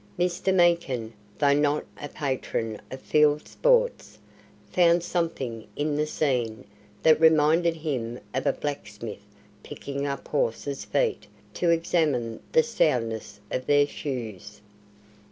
Mr. Meekin, though not a patron of field sports, found something in the scene that reminded him of a blacksmith picking up horses' feet to examine the soundness of their shoes.